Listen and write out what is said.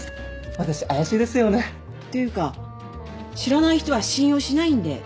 私怪しいですよね。というか知らない人は信用しないんで。